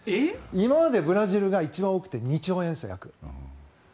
今までブラジルが一番多くて約２兆円でした。